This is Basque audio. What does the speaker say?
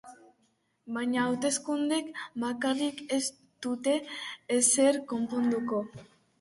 Baina hauteskundeek bakarrik ez dute ezer konponduko.